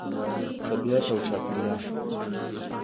طبیعت او چاپیریال